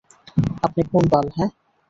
আপনি কোন বাল, হাহ?